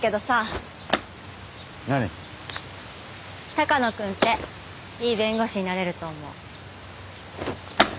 鷹野君っていい弁護士になれると思う。